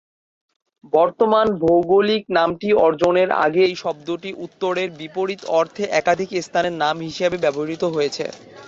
বর্তমান ভৌগোলিক নামটি অর্জনের আগে এই শব্দটি "উত্তরের বিপরীত" অর্থে একাধিক স্থানের নাম হিসাবে ব্যবহৃত হয়েছে।